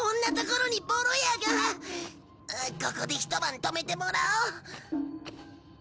ここで一晩泊めてもらおう。